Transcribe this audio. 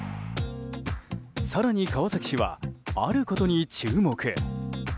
更に、川崎氏はあることに注目。